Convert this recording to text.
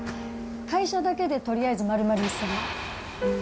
会社だけでとりあえず丸々１０００万。